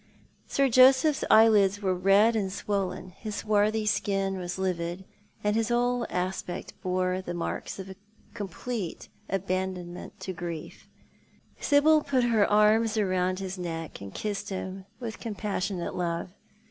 Sir Joseph's eyelids were red and swollen, his swarthy skin was livid, and his whole aspect bore the marks of a complete abandonment to grief. Sibyl put her arms round his neck, and kissed him with compassionate love.